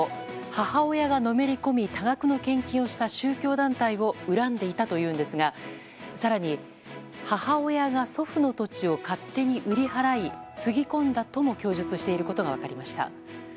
母親がのめり込み多額の献金をした宗教団体を恨んでいたというんですが更に、母親が祖父の土地を勝手に売り払いつぎ込んだとも供述していることが分かりました。